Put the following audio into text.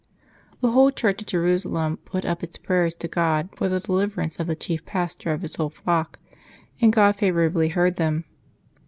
The whole Church at Jerusalem put up its pra5^ers to God for the deliverance of the chief pastor of His whole flock, and God favorably heard them.